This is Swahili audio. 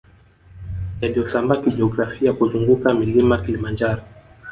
Yaliyosambaa kijiografia kuzunguka mlima Kilimanjaro